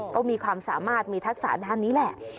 ก็มีความสามารถมีทักษะด้านนี้แหละ